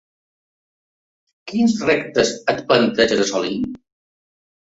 Quins reptes et planteges assolir?